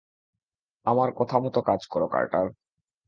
আমার কথা মতো কাজ করো, কার্টার!